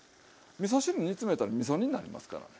みそ汁煮詰めたらみそ煮になりますからね。